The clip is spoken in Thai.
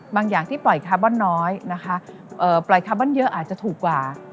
อย่างที่ปล่อยคาร์บอนน้อยนะคะปล่อยคาร์บอนเยอะอาจจะถูกกว่า